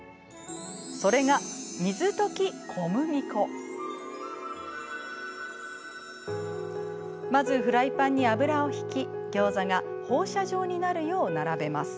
それがまずフライパンに油を引きギョーザが放射状になるよう並べます。